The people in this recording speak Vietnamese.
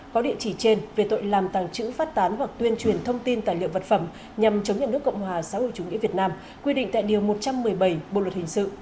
có địa chỉ trên về tội làm tàng trữ phát tán hoặc tuyên truyền thông tin tài liệu vật phẩm nhằm chống nhà nước cộng hòa xã hội chủ nghĩa việt nam quy định tại điều một trăm một mươi bảy bộ luật hình sự